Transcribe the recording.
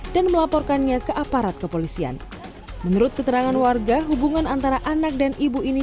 dan melaporkannya ke aparat kepolisian menurut keterangan warga hubungan antara anak dan ibu ini